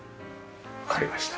わかりました。